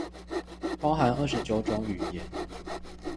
包含二十九種語言